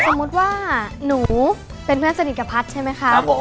สมมุติว่าหนูเป็นเพื่อนสนิทกับพัฒน์ใช่ไหมคะ